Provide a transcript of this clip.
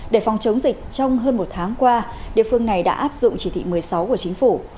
để phòng chống dịch trong hơn một tháng qua địa phương này đã áp dụng chỉ thị một mươi sáu của chính phủ